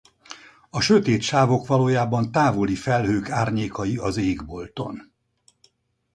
A sötét sávok valójában távoli felhők árnyékai az égbolton.